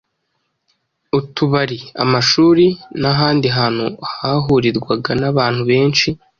Utubari, amashuri n’ahandi hantu hahurirwaga n’abantu benshi